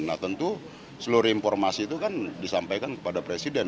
nah tentu seluruh informasi itu kan disampaikan kepada presiden